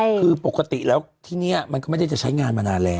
คือปกติแล้วที่นี่มันก็ไม่ได้จะใช้งานมานานแล้ว